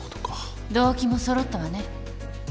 動機も揃ったわね。